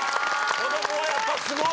子供はやっぱすごい。